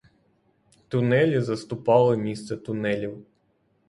Тунелі заступали місце тунелів.